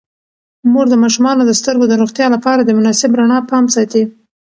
مور د ماشومانو د سترګو د روغتیا لپاره د مناسب رڼا پام ساتي.